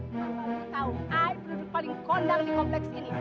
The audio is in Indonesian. bapak lu tahu i berduduk paling kondang di kompleks ini